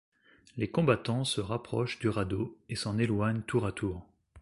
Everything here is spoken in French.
Les combattants se rapprochent du radeau et s’en éloignent tour à tour.